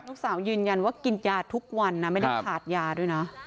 ยืนยันว่ากินยาทุกวันนะไม่ได้ขาดยาด้วยนะ